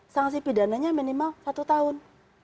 sanksi pidananya minimal satu tahun